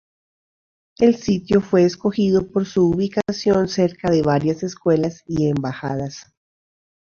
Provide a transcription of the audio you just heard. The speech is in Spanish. El sitio fue escogido por su ubicación cerca de varias escuelas y embajadas.